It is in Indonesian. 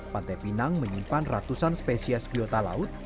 pantai pinang menyimpan ratusan spesies biota laut